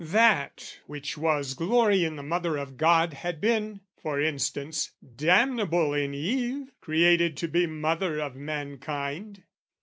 "That which was glory in the Mother of God "Had been, for instance, damnable in Eve "Created to be mother of mankind.